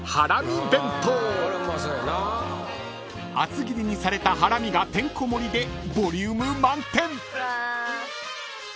［厚切りにされたハラミがてんこ盛りでボリューム満点］